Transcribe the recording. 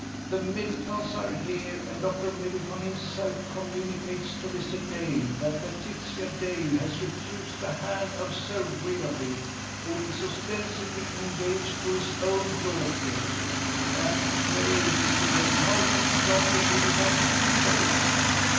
The Middletons are here, and Dr. Middleton himself communicates to Mr. Dale that Laetitia Dale has refused the hand of Sir Willoughby, who is ostensibly engaged to his own daughter! And pray, Mr. Dale, how did Dr. Middleton speak of it?